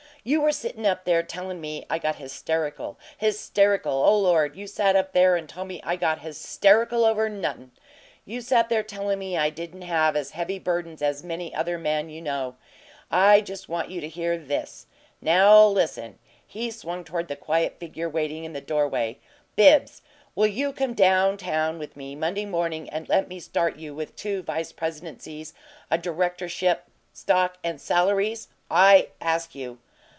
"You were sittin' up there tellin' me I got 'hysterical' 'hysterical,' oh Lord! You sat up there and told me I got 'hysterical' over nothin'! You sat up there tellin' me I didn't have as heavy burdens as many another man you knew. I just want you to hear THIS. Now listen!" He swung toward the quiet figure waiting in the doorway. "Bibbs, will you come down town with me Monday morning and let me start you with two vice presidencies, a directorship, stock, and salaries? I ask you."